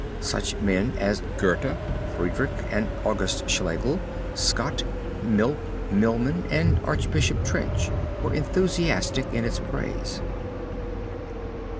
Such men as Goethe, Friedrich and August Schlegel, Scott, Milman and Archbishop Trench were enthusiastic in its praise.